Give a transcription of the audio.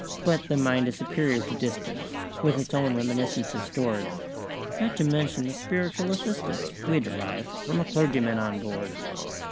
But the mind is superior to distance With its own reminiscences stored, Not to mention the spiritual assistance We derived from a clergyman on board."